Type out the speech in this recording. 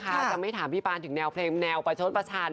จะไม่ถามพี่ปานถึงแนวเพลงแนวประชดประชัน